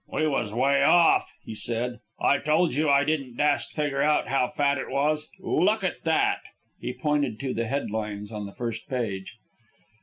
"We was way off," he said. "I told you I didn't dast figger out how fat it was. Look at that." He pointed to the head lines on the first page.